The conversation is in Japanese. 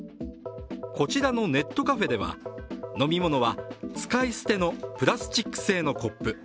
こちらのネットカフェでは飲み物は使い捨てのプラスチック製のコップ。